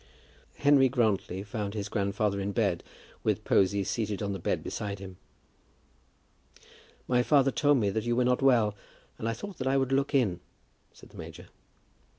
Henry Grantly found his grandfather in bed, with Posy seated on the bed beside him. "My father told me that you were not quite well, and I thought that I would look in," said the major.